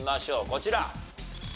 こちら。